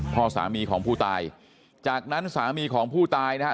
พ่อสามีของผู้ตายจากนั้นสามีของผู้ตายนะฮะ